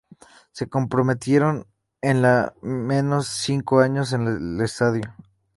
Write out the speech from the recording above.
Se comprometieron en al menos cinco años en el estadio.